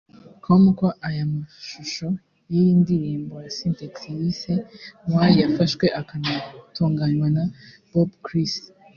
com ko aya mashusho y'iyi ndirimbo ya Sintex yise ‘Why’ yafashwe akanatunganywa na Bob Chris